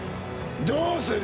どうする？